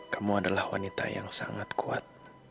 kamu adalah wanita yang sangat kuat